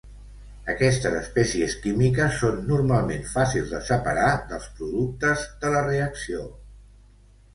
Aquestes espècies químiques són normalment fàcils de separar dels productes de la reacció.